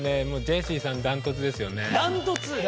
ジェシーさんダントツですよね。